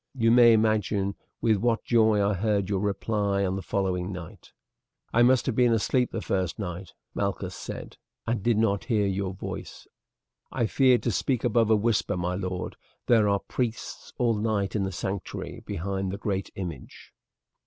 You may imagine with what joy I heard your reply on the following night." "I must have been asleep the first night," Malchus said, "and did not hear your voice." "I feared to speak above a whisper, my lord; there are priests all night in the sanctuary behind the great image."